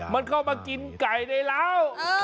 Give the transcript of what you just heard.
มันเข้ามากินไก่ได้แล้ว